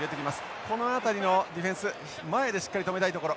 この辺りのディフェンス前でしっかり止めたいところ。